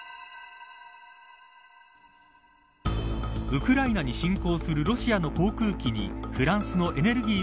ウクライナに侵攻するロシアの航空機にフランスのエネルギー